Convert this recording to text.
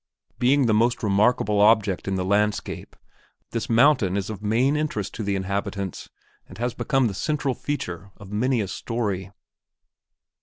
Being the most remarkable object in the landscape, this mountain is of main interest to the inhabitants and has become the central feature of many a story.